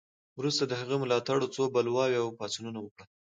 وروسته د هغه ملاتړو څو بلواوې او پاڅونونه وکړل.